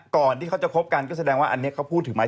ก่อนที่เขาจะคบกันก็แสดงว่าอันนี้เขาพูดถึงไหม